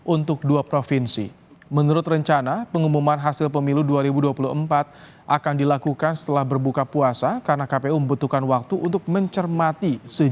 untuk mengucapkan kepentingan kpu memastikan akan tetap mengumumkan hasil pemilu dua ribu dua puluh empat pada hari ini walaupun masih ada proses rekapitulasi nasional untuk dua provinsi